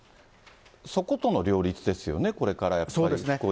そことの両立ですよね、これからやっぱり、そうですね。